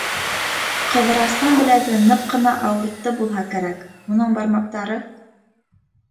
Ҡыҙырастың беләге ныҡ ҡына ауыртты булһа кәрәк, уның бармаҡтары